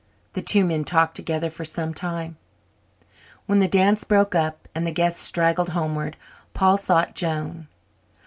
The two men talked together for some time. When the dance broke up and the guests straggled homeward, Paul sought Joan.